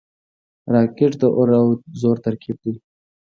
راکټ د اور او زور ترکیب دی